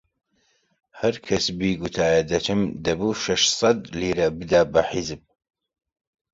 هەر کەس بیگوتایە دەچم، دەبوو شەشسەد لیرە بدا بە حیزب